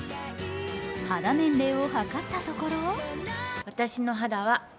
肌年齢を測ったところ